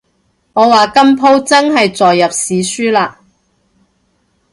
我話今舖真係載入史書喇